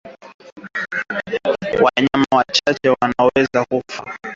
Wanyama wachache wanaweza kufa kwa minyoo